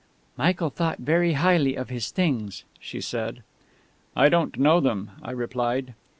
"Michael thought very highly of his things," she said. "I don't know them," I replied.